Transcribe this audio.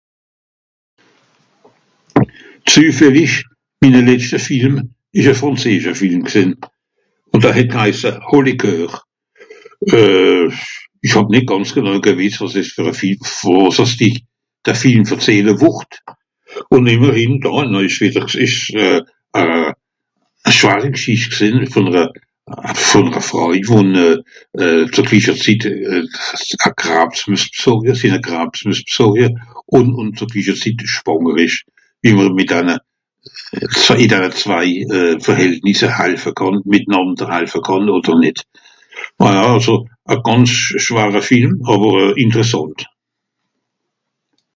Mon dernier film était un film français et s'appelait haut les coeurs J'ignorais de quoi il parlerai. Mais c'était l'histoire d'une femme qui doit faire face a un cancer tout en étant enceinte C'est un film grave mais intéressant